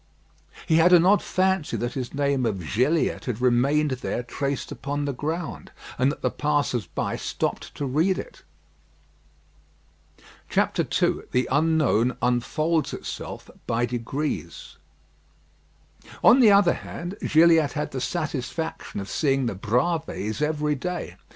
He had an odd fancy that his name of "Gilliatt" had remained there traced upon the ground, and that the passers by stopped to read it. II THE UNKNOWN UNFOLDS ITSELF BY DEGREES On the other hand, Gilliatt had the satisfaction of seeing the Bravées every day.